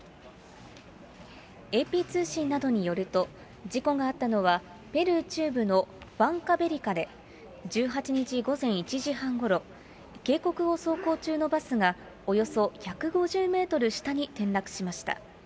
ＡＰ通信などによると、事故があったのは、ペルー中部のワンカベリカで、１８日午前１時半ごろ、渓谷を走行中のバスが、およそ１５０メートル下に転落しました。